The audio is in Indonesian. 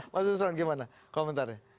mas yusron gimana komentarnya